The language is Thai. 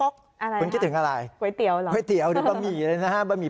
คุณคิดถึงอะไร